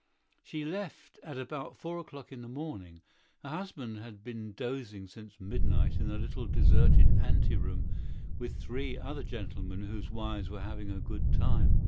She left the ball about four o'clock in the morning. Her husband had been sleeping since midnight in a little deserted anteroom with three other gentlemen whose wives were enjoying the ball.